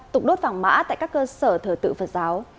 tục đốt vàng mã tại các cơ sở thờ tự phật giáo